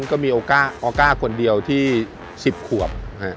ก็มีออก้าคนเดียวที่๑๐ขวบ